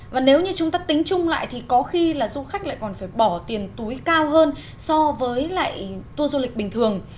và nếu như chúng ta tính chung lại thì có khi là du khách lại còn phải bỏ tiền túi cao hơn so với lại tour du lịch bình thường